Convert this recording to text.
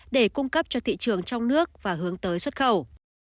để cung cấp cho thị trường trong nước và hướng tới xuất khẩu